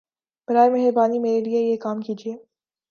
براہَ مہربانی میرے لیے یہ کام کیجیے